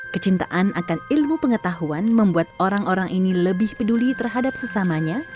kecintaan akan ilmu pengetahuan membuat orang orang ini lebih peduli terhadap sesamanya